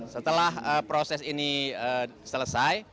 setelah proses ini selesai